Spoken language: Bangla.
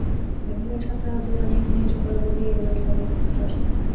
মেঘালয়ের সাতটা রাজ্যের পানি এখানে এসে পড়ে বলেই এর নাম সেভেন সিস্টার্স।